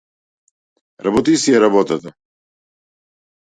Работи си ја работата.